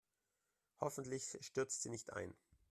Hoffentlich stürzt sie nicht ein.